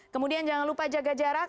kemudian jangan lupa jaga jarak